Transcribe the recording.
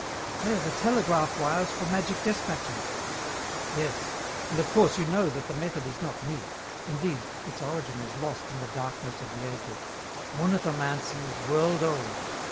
"They are the telegraph wires for magic despatches." "Yes. And of course you know that the method is not new. Indeed, its origin is lost in the darkness of the ages. Ornithomancy is world old.